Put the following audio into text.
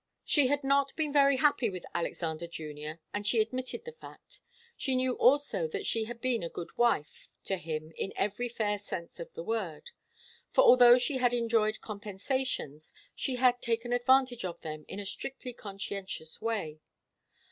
She had not been very happy with Alexander Junior, and she admitted the fact. She knew also that she had been a good wife to him in every fair sense of the word. For although she had enjoyed compensations, she had taken advantage of them in a strictly conscientious way.